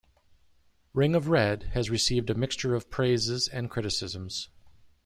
"Ring of Red" has received a mixture of praises and criticisms.